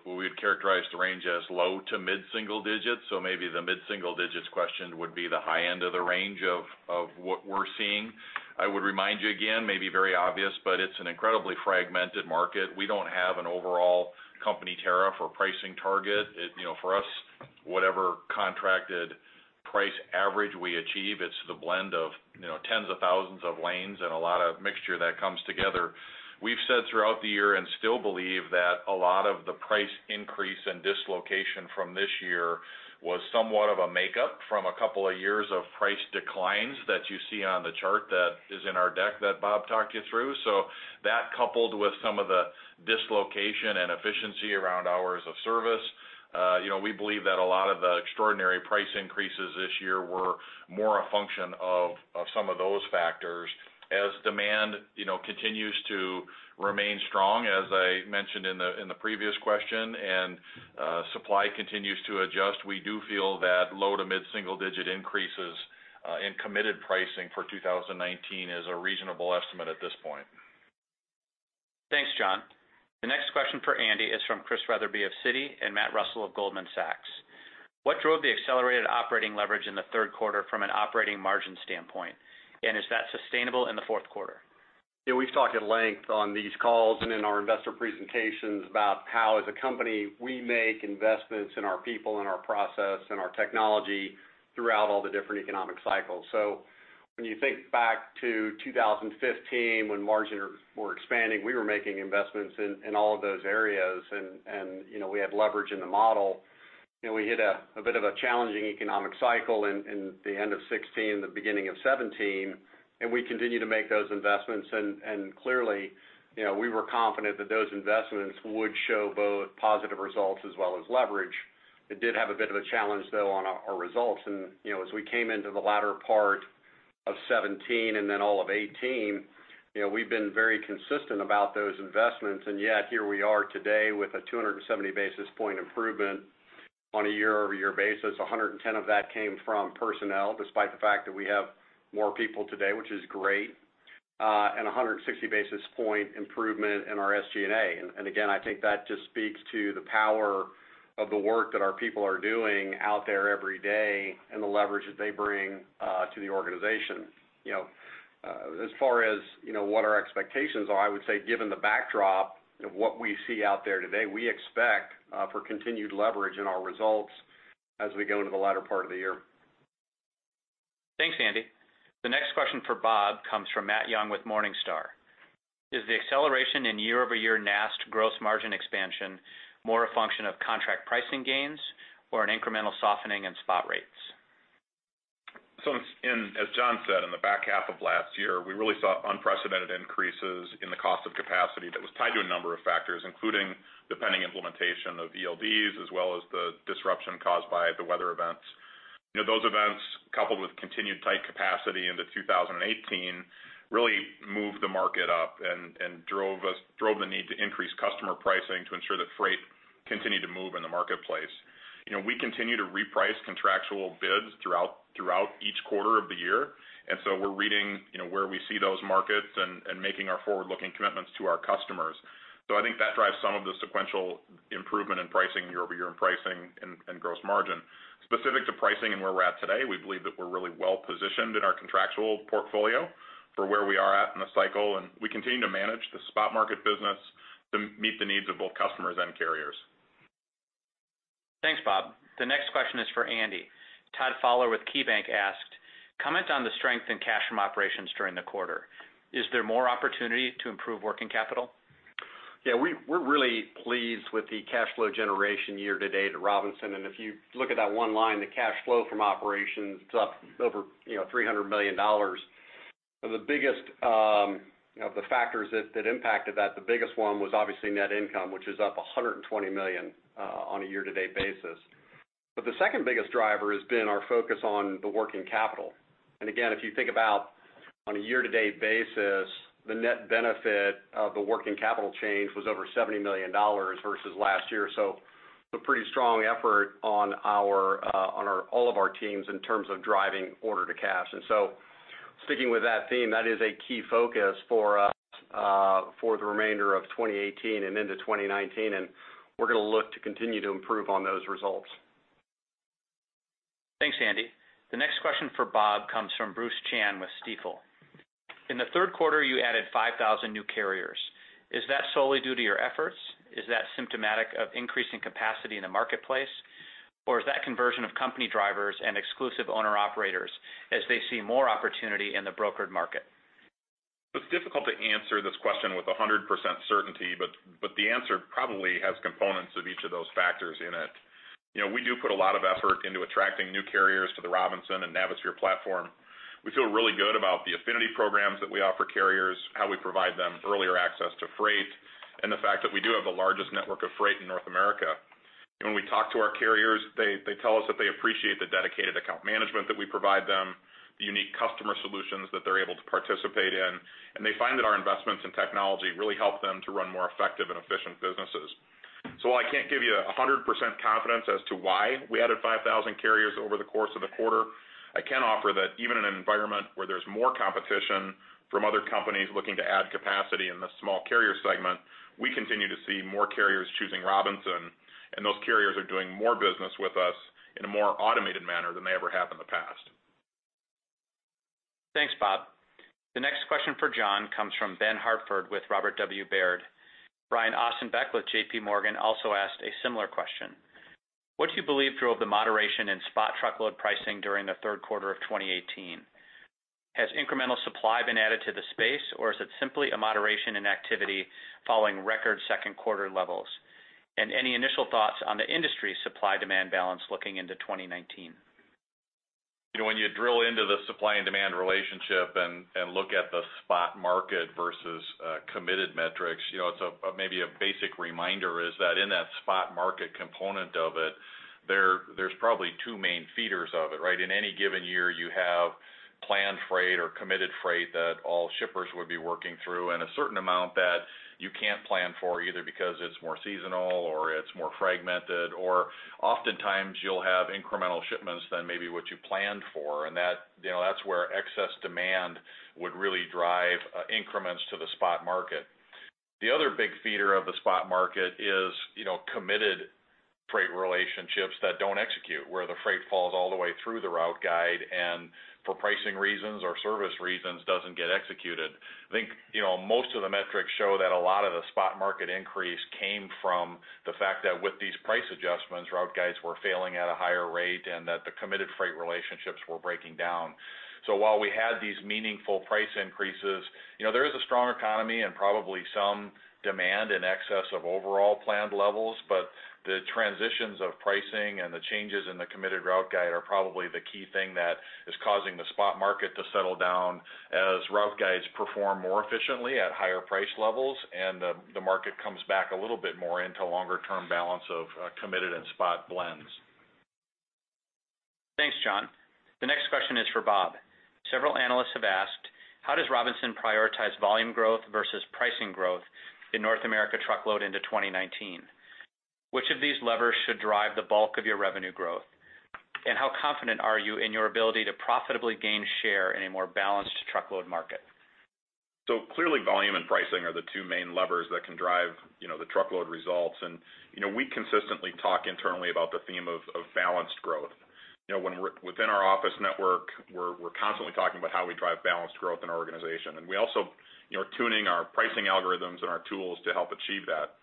we would characterize the range as low to mid-single digits. Maybe the mid-single digits question would be the high end of the range of what we're seeing. I would remind you again, maybe very obvious, but it's an incredibly fragmented market. We don't have an overall company tariff or pricing target. For us, whatever contracted price average we achieve, it's the blend of tens of thousands of lanes and a lot of mixture that comes together We've said throughout the year, and still believe, that a lot of the price increase and dislocation from this year was somewhat of a makeup from a couple of years of price declines that you see on the chart that is in our deck that Bob talked you through. That, coupled with some of the dislocation and efficiency around hours of service, we believe that a lot of the extraordinary price increases this year were more a function of some of those factors. As demand continues to remain strong, as I mentioned in the previous question, and supply continues to adjust, we do feel that low- to mid-single digit increases in committed pricing for 2019 is a reasonable estimate at this point. Thanks, John. The next question for Andy is from Christian Wetherbee of Citi and Matt Russell of Goldman Sachs. What drove the accelerated operating leverage in the third quarter from an operating margin standpoint, and is that sustainable in the fourth quarter? We've talked at length on these calls and in our investor presentations about how, as a company, we make investments in our people, in our process, in our technology throughout all the different economic cycles. When you think back to 2015, when margins were expanding, we were making investments in all of those areas, and we had leverage in the model. We hit a bit of a challenging economic cycle in the end of 2016, the beginning of 2017, and we continued to make those investments. Clearly, we were confident that those investments would show both positive results as well as leverage. It did have a bit of a challenge, though, on our results. As we came into the latter part of 2017 and then all of 2018, we've been very consistent about those investments. Yet, here we are today with a 270 basis point improvement on a year-over-year basis. 110 of that came from personnel, despite the fact that we have more people today, which is great, and 160 basis point improvement in our SG&A. Again, I think that just speaks to the power of the work that our people are doing out there every day and the leverage that they bring to the organization. As far as what our expectations are, I would say, given the backdrop of what we see out there today, we expect for continued leverage in our results as we go into the latter part of the year. Thanks, Andy. The next question for Bob comes from Matthew Young with Morningstar. Is the acceleration in year-over-year NAST gross margin expansion more a function of contract pricing gains or an incremental softening in spot rates? As John said, in the back half of last year, we really saw unprecedented increases in the cost of capacity that was tied to a number of factors, including the pending implementation of ELDs, as well as the disruption caused by the weather events. Those events, coupled with continued tight capacity into 2018, really moved the market up and drove the need to increase customer pricing to ensure that freight continued to move in the marketplace. We continue to reprice contractual bids throughout each quarter of the year. We're reading where we see those markets and making our forward-looking commitments to our customers. I think that drives some of the sequential improvement in pricing, year-over-year in pricing and gross margin. Specific to pricing and where we're at today, we believe that we're really well-positioned in our contractual portfolio for where we are at in the cycle, and we continue to manage the spot market business to meet the needs of both customers and carriers. Thanks, Bob. The next question is for Andy. Todd Fowler with KeyBanc asked, "Comment on the strength in cash from operations during the quarter. Is there more opportunity to improve working capital? We're really pleased with the cash flow generation year-to-date at Robinson, and if you look at that one line, the cash flow from operations, it's up over $300 million. Of the factors that impacted that, the biggest one was obviously net income, which is up $120 million on a year-to-date basis. The second biggest driver has been our focus on the working capital. Again, if you think about, on a year-to-date basis, the net benefit of the working capital change was over $70 million versus last year. A pretty strong effort on all of our teams in terms of driving order to cash. Sticking with that theme, that is a key focus for us for the remainder of 2018 and into 2019, and we're going to look to continue to improve on those results. Thanks, Andy. The next question for Bob comes from Bruce Chan with Stifel. In the third quarter, you added 5,000 new carriers. Is that solely due to your efforts? Is that symptomatic of increasing capacity in the marketplace? Or is that conversion of company drivers and exclusive owner-operators as they see more opportunity in the brokered market? It's difficult to answer this question with 100% certainty, but the answer probably has components of each of those factors in it. We do put a lot of effort into attracting new carriers to the Robinson and Navisphere platform. We feel really good about the affinity programs that we offer carriers, how we provide them earlier access to freight, and the fact that we do have the largest network of freight in North America. When we talk to our carriers, they tell us that they appreciate the dedicated account management that we provide them, the unique customer solutions that they're able to participate in, and they find that our investments in technology really help them to run more effective and efficient businesses. While I can't give you 100% confidence as to why we added 5,000 carriers over the course of the quarter, I can offer that even in an environment where there's more competition from other companies looking to add capacity in the small carrier segment, we continue to see more carriers choosing Robinson, and those carriers are doing more business with us in a more automated manner than they ever have in the past. Thanks, Bob. The next question for John comes from Benjamin Hartford with Robert W. Baird. Brian Ossenbeck with J.P. Morgan also asked a similar question. What do you believe drove the moderation in spot truckload pricing during the third quarter of 2018? Has incremental supply been added to the space, or is it simply a moderation in activity following record second quarter levels? Any initial thoughts on the industry supply-demand balance looking into 2019? When you drill into the supply and demand relationship and look at the spot market versus committed metrics, maybe a basic reminder is that in that spot market component of it, there's probably two main feeders of it, right? In any given year, you have planned freight or committed freight that all shippers would be working through, and a certain amount that you can't plan for, either because it's more seasonal or it's more fragmented, or oftentimes you'll have incremental shipments than maybe what you planned for. That's where excess demand would really drive increments to the spot market. The other big feeder of the spot market is committed freight relationships that don't execute, where the freight falls all the way through the route guide and for pricing reasons or service reasons, doesn't get executed. I think most of the metrics show that a lot of the spot market increase came from the fact that with these price adjustments, route guides were failing at a higher rate and that the committed freight relationships were breaking down. While we had these meaningful price increases, there is a strong economy and probably some demand in excess of overall planned levels, the transitions of pricing and the changes in the committed route guide are probably the key thing that is causing the spot market to settle down as route guides perform more efficiently at higher price levels and the market comes back a little bit more into longer term balance of committed and spot blends. Thanks, John. The next question is for Bob. Several analysts have asked, how does Robinson prioritize volume growth versus pricing growth in North America truckload into 2019? Which of these levers should drive the bulk of your revenue growth? How confident are you in your ability to profitably gain share in a more balanced truckload market? Clearly, volume and pricing are the two main levers that can drive the truckload results. We consistently talk internally about the theme of balanced growth. Within our office network, we're constantly talking about how we drive balanced growth in our organization, we also are tuning our pricing algorithms and our tools to help achieve that.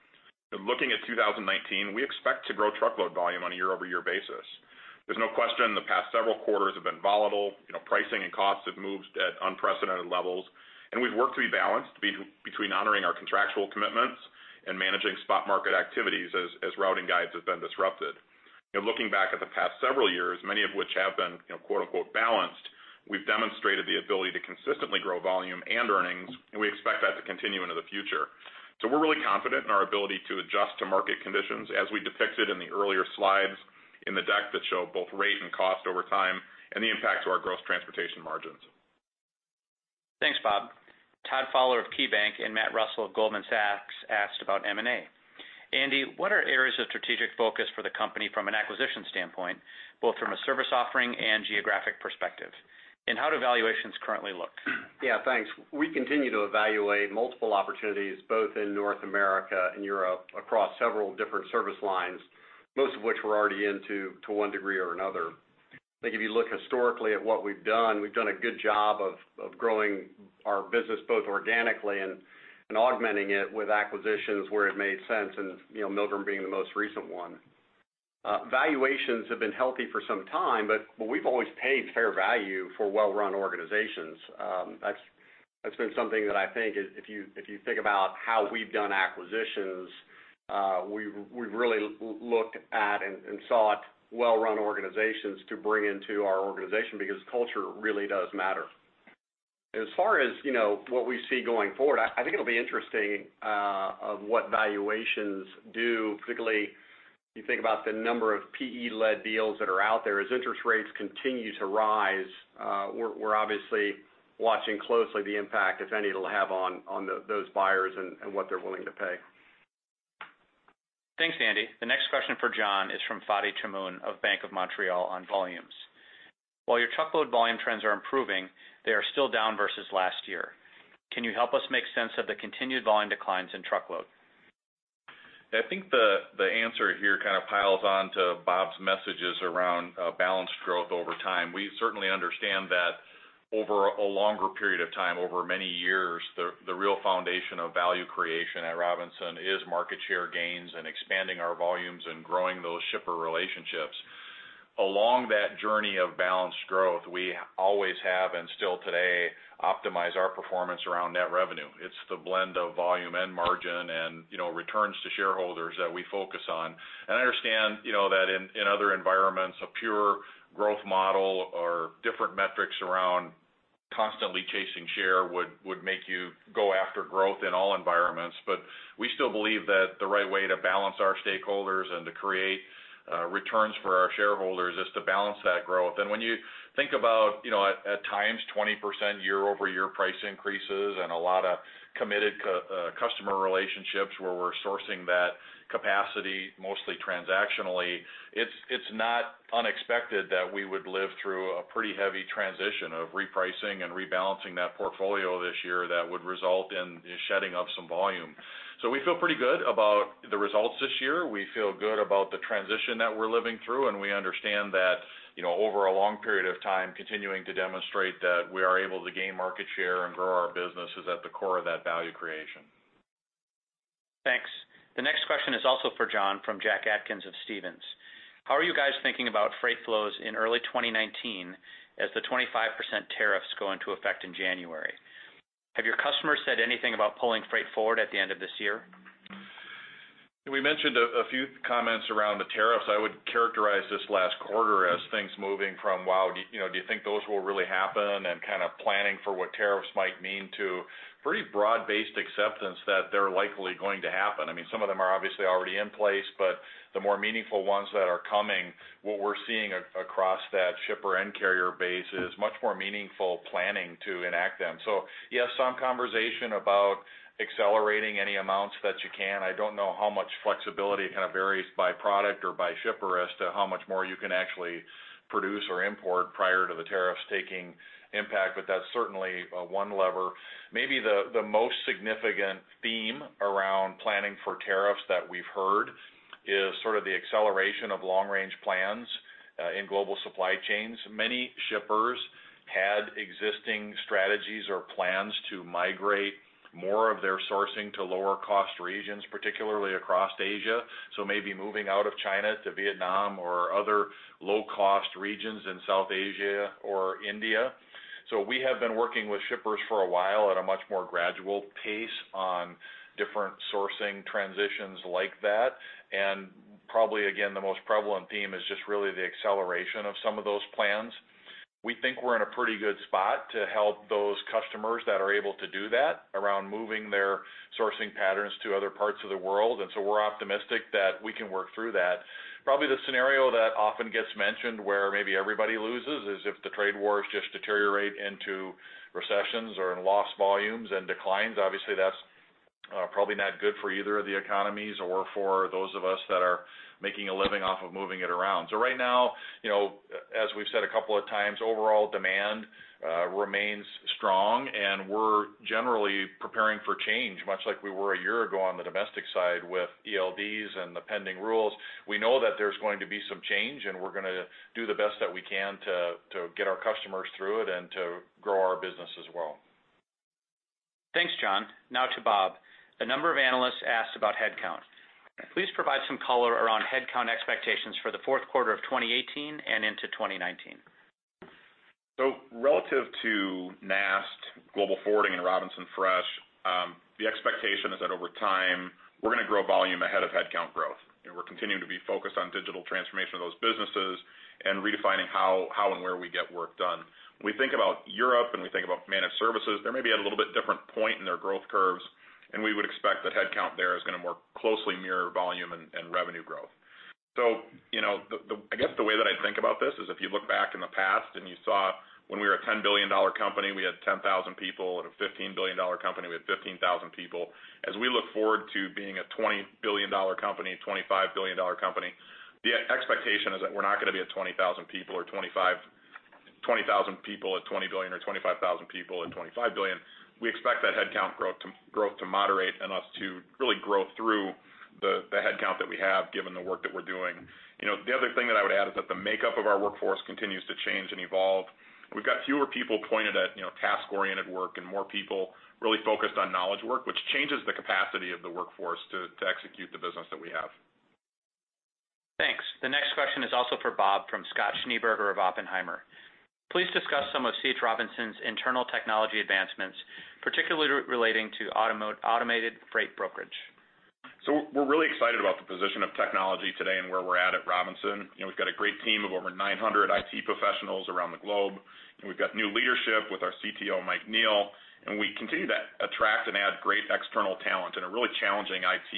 Looking at 2019, we expect to grow truckload volume on a year-over-year basis. There's no question in the past several quarters have been volatile. Pricing and costs have moved at unprecedented levels, we've worked to be balanced between honoring our contractual commitments and managing spot market activities as routing guides have been disrupted. Looking back at the past several years, many of which have been, quote-unquote, "balanced," we've demonstrated the ability to consistently grow volume and earnings, we expect that to continue into the future. We're really confident in our ability to adjust to market conditions as we depicted in the earlier slides in the deck that show both rate and cost over time and the impact to our gross transportation margins. Thanks, Bob. Todd Fowler of KeyBanc and Matt Russell of Goldman Sachs asked about M&A. Andy, what are areas of strategic focus for the company from an acquisition standpoint, both from a service offering and geographic perspective? How do valuations currently look? Yeah, thanks. We continue to evaluate multiple opportunities both in North America and Europe across several different service lines, most of which we're already into one degree or another. I think if you look historically at what we've done, we've done a good job of growing our business both organically and augmenting it with acquisitions where it made sense, and Milgram being the most recent one. Valuations have been healthy for some time, but we've always paid fair value for well-run organizations. That's been something that I think if you think about how we've done acquisitions, we've really looked at and sought well-run organizations to bring into our organization because culture really does matter. As far as what we see going forward, I think it'll be interesting of what valuations do, particularly if you think about the number of PE-led deals that are out there. As interest rates continue to rise, we're obviously watching closely the impact, if any, it'll have on those buyers and what they're willing to pay. Thanks, Andy. The next question for John is from Fadi Chamoun of Bank of Montreal on volumes. While your truckload volume trends are improving, they are still down versus last year. Can you help us make sense of the continued volume declines in truckload? I think the answer here kind of piles on to Bob's messages around balanced growth over time. We certainly understand that over a longer period of time, over many years, the real foundation of value creation at Robinson is market share gains and expanding our volumes and growing those shipper relationships. Along that journey of balanced growth, we always have, and still today, optimize our performance around net revenue. It's the blend of volume and margin and returns to shareholders that we focus on. I understand that in other environments, a pure growth model or different metrics around constantly chasing share would make you go after growth in all environments. We still believe that the right way to balance our stakeholders and to create returns for our shareholders is to balance that growth. When you think about, at times, 20% year-over-year price increases and a lot of committed customer relationships where we're sourcing that capacity, mostly transactionally, it's not unexpected that we would live through a pretty heavy transition of repricing and rebalancing that portfolio this year that would result in the shedding of some volume. We feel pretty good about the results this year. We feel good about the transition that we're living through, we understand that over a long period of time, continuing to demonstrate that we are able to gain market share and grow our business is at the core of that value creation. Thanks. The next question is also for John from Jack Atkins of Stephens. How are you guys thinking about freight flows in early 2019 as the 25% tariffs go into effect in January? Have your customers said anything about pulling freight forward at the end of this year? We mentioned a few comments around the tariffs. I would characterize this last quarter as things moving from, "Wow, do you think those will really happen?" Kind of planning for what tariffs might mean, to pretty broad-based acceptance that they're likely going to happen. Some of them are obviously already in place, but the more meaningful ones that are coming, what we're seeing across that shipper and carrier base is much more meaningful planning to enact them. Yes, some conversation about accelerating any amounts that you can. I don't know how much flexibility kind of varies by product or by shipper as to how much more you can actually produce or import prior to the tariffs taking impact, but that's certainly one lever. Maybe the most significant theme around planning for tariffs that we've heard is sort of the acceleration of long-range plans in global supply chains. Many shippers had existing strategies or plans to migrate more of their sourcing to lower cost regions, particularly across Asia. Maybe moving out of China to Vietnam or other low-cost regions in South Asia or India. We have been working with shippers for a while at a much more gradual pace on different sourcing transitions like that. Probably, again, the most prevalent theme is just really the acceleration of some of those plans. We think we're in a pretty good spot to help those customers that are able to do that, around moving their sourcing patterns to other parts of the world. We're optimistic that we can work through that. Probably the scenario that often gets mentioned where maybe everybody loses is if the trade wars just deteriorate into recessions or in lost volumes and declines. Obviously, that's probably not good for either of the economies or for those of us that are making a living off of moving it around. Right now, as we've said a couple of times, overall demand remains strong, we're generally preparing for change, much like we were a year ago on the domestic side with ELDs and the pending rules. We know that there's going to be some change, we're going to do the best that we can to get our customers through it and to grow our business as well. Thanks, John. Now to Bob. A number of analysts asked about headcount. Please provide some color around headcount expectations for the fourth quarter of 2018 and into 2019. Relative to NAST, Global Forwarding, and Robinson Fresh, the expectation is that over time, we're going to grow volume ahead of headcount growth. We're continuing to be focused on digital transformation of those businesses and redefining how and where we get work done. When we think about Europe and we think about managed services, they may be at a little bit different point in their growth curves, and we would expect that headcount there is going to more closely mirror volume and revenue growth. I guess the way that I think about this is if you look back in the past and you saw when we were a $10 billion company, we had 10,000 people. At a $15 billion company, we had 15,000 people. As we look forward to being a $20 billion company, $25 billion company, the expectation is that we're not going to be at 20,000 people at $20 billion, or 25,000 people at $25 billion. We expect that headcount growth to moderate and us to really grow through the headcount that we have, given the work that we're doing. The other thing that I would add is that the makeup of our workforce continues to change and evolve. We've got fewer people pointed at task-oriented work and more people really focused on knowledge work, which changes the capacity of the workforce to execute the business that we have. Thanks. The next question is also for Bob from Scott Schneeberger of Oppenheimer. Please discuss some of C. H. Robinson's internal technology advancements, particularly relating to automated freight brokerage. We're really excited about the position of technology today and where we're at at Robinson. We've got a great team of over 900 IT professionals around the globe, and we've got new leadership with our CTO, Mike Neill, and we continue to attract and add great external talent in a really challenging IT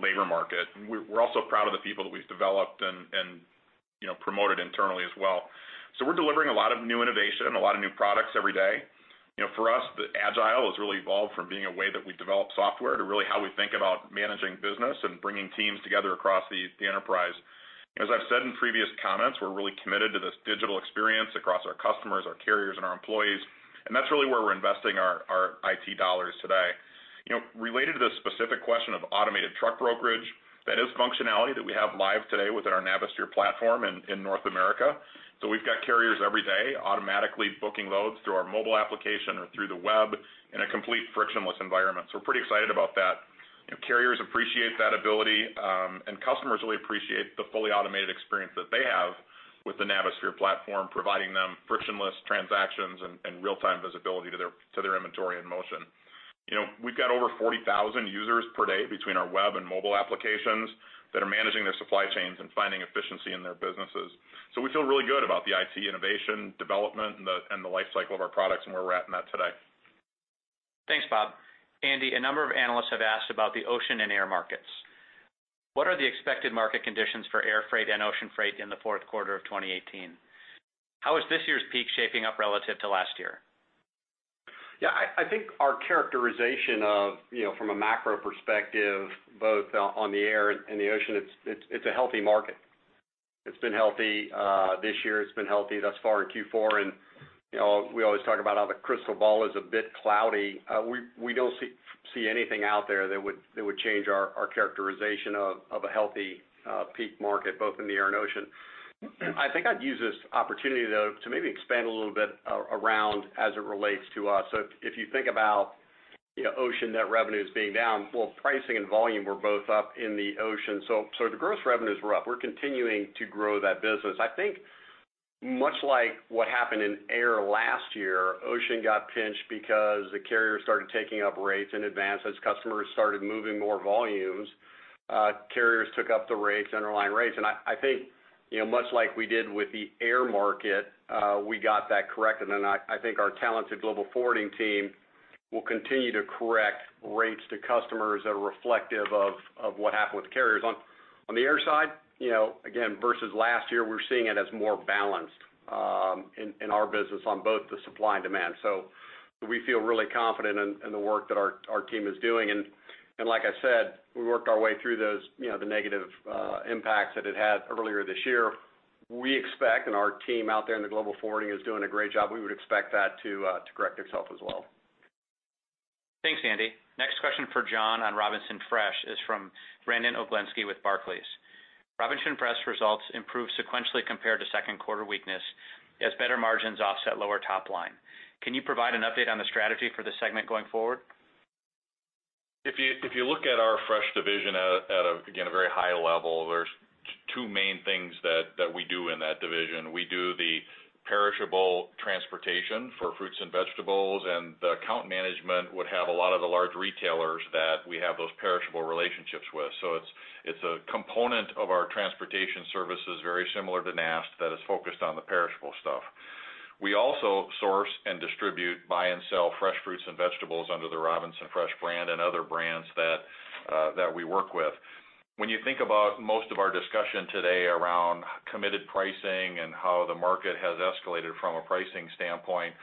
labor market. We're also proud of the people that we've developed and promoted internally as well. We're delivering a lot of new innovation and a lot of new products every day. For us, Agile has really evolved from being a way that we develop software to really how we think about managing business and bringing teams together across the enterprise. As I've said in previous comments, we're really committed to this digital experience across our customers, our carriers, and our employees, and that's really where we're investing our IT dollars today. Related to the specific question of automated truck brokerage, that is functionality that we have live today within our Navisphere platform in North America. We've got carriers every day automatically booking loads through our mobile application or through the web in a complete frictionless environment. We're pretty excited about that. Carriers appreciate that ability, and customers really appreciate the fully automated experience that they have with the Navisphere platform, providing them frictionless transactions and real-time visibility to their inventory in motion. We've got over 40,000 users per day between our web and mobile applications that are managing their supply chains and finding efficiency in their businesses. We feel really good about the IT innovation, development, and the life cycle of our products and where we're at in that today. Thanks, Bob. Andy, a number of analysts have asked about the ocean and air markets. What are the expected market conditions for air freight and ocean freight in the fourth quarter of 2018? How is this year's peak shaping up relative to last year? I think our characterization from a macro perspective, both on the air and the ocean, it's a healthy market. It's been healthy this year. It's been healthy thus far in Q4. We always talk about how the crystal ball is a bit cloudy. We don't see anything out there that would change our characterization of a healthy peak market, both in the air and ocean. I think I'd use this opportunity, though, to maybe expand a little bit around as it relates to us. If you think about Ocean net revenues being down. Pricing and volume were both up in the ocean. The gross revenues were up. We're continuing to grow that business. I think much like what happened in air last year, ocean got pinched because the carriers started taking up rates in advance as customers started moving more volumes, carriers took up the rates, underlying rates. I think, much like we did with the air market, we got that correct. Then I think our talented Global Forwarding team will continue to correct rates to customers that are reflective of what happened with carriers. On the air side, again, versus last year, we're seeing it as more balanced in our business on both the supply and demand. We feel really confident in the work that our team is doing. Like I said, we worked our way through the negative impacts that it had earlier this year. We expect, and our team out there in the Global Forwarding is doing a great job, we would expect that to correct their self as well. Thanks, Andy. Next question for John on Robinson Fresh is from Brandon Oglenski with Barclays. Robinson Fresh results improved sequentially compared to second quarter weakness as better margins offset lower top line. Can you provide an update on the strategy for this segment going forward? If you look at our fresh division at a, again, a very high level, there's two main things that we do in that division. We do the perishable transportation for fruits and vegetables, and the account management would have a lot of the large retailers that we have those perishable relationships with. It's a component of our transportation services, very similar to NAST, that is focused on the perishable stuff. We also source and distribute, buy and sell fresh fruits and vegetables under the Robinson Fresh brand and other brands that we work with. When you think about most of our discussion today around committed pricing and how the market has escalated from a pricing standpoint,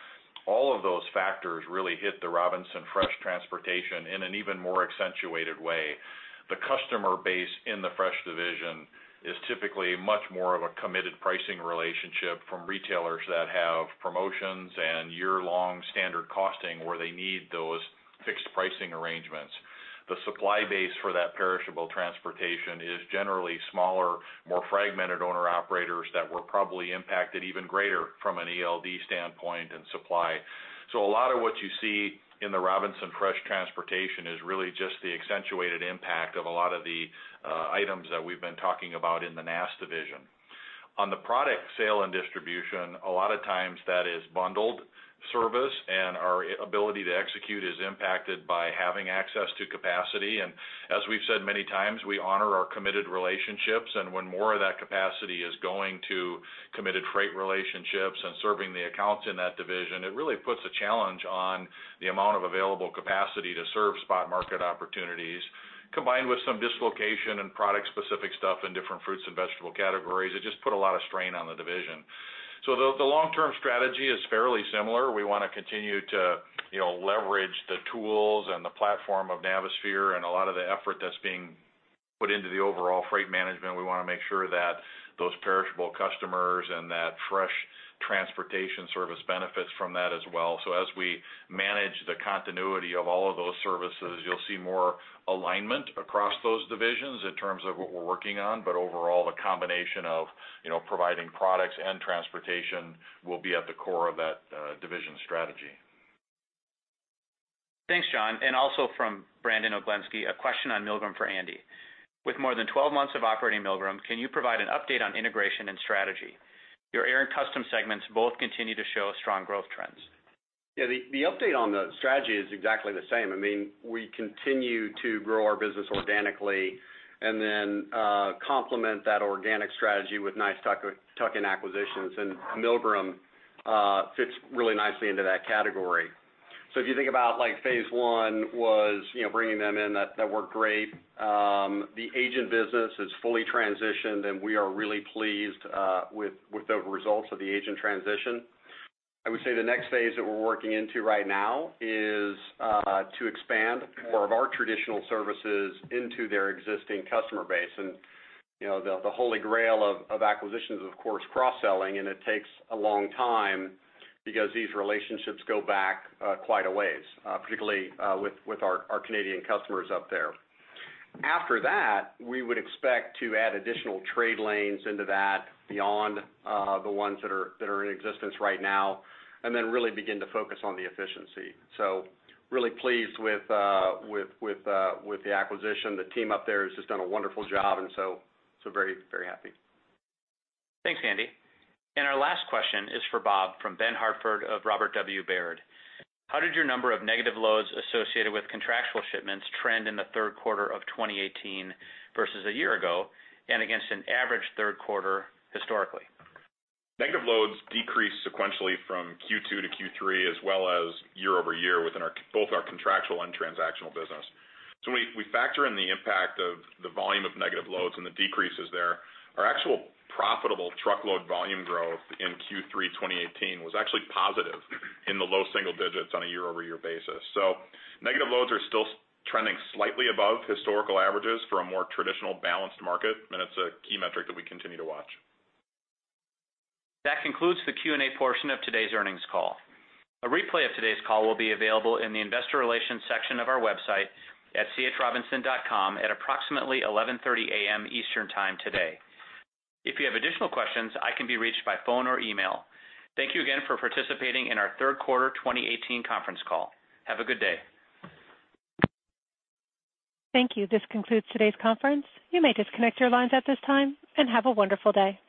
all of those factors really hit the Robinson Fresh transportation in an even more accentuated way. The customer base in the fresh division is typically much more of a committed pricing relationship from retailers that have promotions and year-long standard costing, where they need those fixed pricing arrangements. The supply base for that perishable transportation is generally smaller, more fragmented owner-operators that were probably impacted even greater from an ELD standpoint and supply. A lot of what you see in the Robinson Fresh transportation is really just the accentuated impact of a lot of the items that we've been talking about in the NAST division. On the product sale and distribution, a lot of times that is bundled service, and our ability to execute is impacted by having access to capacity. As we've said many times, we honor our committed relationships. When more of that capacity is going to committed freight relationships and serving the accounts in that division, it really puts a challenge on the amount of available capacity to serve spot market opportunities. Combined with some dislocation and product specific stuff in different fruits and vegetable categories, it just put a lot of strain on the division. The long-term strategy is fairly similar. We want to continue to leverage the tools and the platform of Navisphere and a lot of the effort that's being put into the overall freight management. We want to make sure that those perishable customers and that fresh transportation service benefits from that as well. As we manage the continuity of all of those services, you'll see more alignment across those divisions in terms of what we're working on. Overall, the combination of providing products and transportation will be at the core of that division strategy. Thanks, John. Also from Brandon Oglenski, a question on Milgram for Andy. With more than 12 months of operating Milgram, can you provide an update on integration and strategy? Your air and customs segments both continue to show strong growth trends. The update on the strategy is exactly the same. We continue to grow our business organically then complement that organic strategy with nice tuck-in acquisitions, Milgram fits really nicely into that category. If you think about phase one was bringing them in, that worked great. The agent business is fully transitioned, and we are really pleased with the results of the agent transition. I would say the next phase that we're working into right now is to expand more of our traditional services into their existing customer base. The holy grail of acquisitions, of course, cross-selling, and it takes a long time because these relationships go back quite a ways, particularly with our Canadian customers up there. After that, we would expect to add additional trade lanes into that beyond the ones that are in existence right now, then really begin to focus on the efficiency. Really pleased with the acquisition. The team up there has just done a wonderful job, very happy. Thanks, Andy. Our last question is for Bob from Benjamin Hartford of Robert W. Baird. How did your number of negative loads associated with contractual shipments trend in the third quarter of 2018 versus a year ago, and against an average third quarter historically? Negative loads decreased sequentially from Q2 to Q3, as well as year-over-year within both our contractual and transactional business. When we factor in the impact of the volume of negative loads and the decreases there, our actual profitable truckload volume growth in Q3 2018 was actually positive in the low single digits on a year-over-year basis. Negative loads are still trending slightly above historical averages for a more traditional balanced market, and it's a key metric that we continue to watch. That concludes the Q&A portion of today's earnings call. A replay of today's call will be available in the investor relations section of our website at chrobinson.com at approximately 11:30 A.M. Eastern Time today. If you have additional questions, I can be reached by phone or email. Thank you again for participating in our third quarter 2018 conference call. Have a good day. Thank you. This concludes today's conference. You may disconnect your lines at this time, and have a wonderful day.